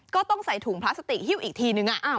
ก็ต้องใส่ถุงพลาสติกหิ้วอีกทีนึง